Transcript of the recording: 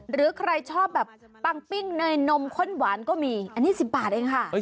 หรือใครชอบแบบปังปิ้งเนยนมข้นหวานก็มีอันนี้๑๐บาทเองค่ะ